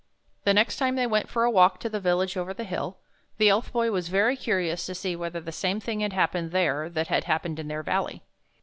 The next time they went for a walk to the village over the hill, the Elf Boy was very curious to see whether the same thing had happened there that had happened in their valley.